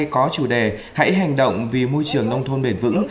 có chủ đề hãy hành động vì môi trường nông thôn bền vững